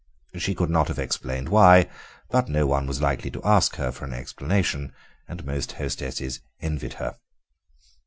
She could not have explained why, but no one was likely to ask her for an explanation, and most hostesses envied her.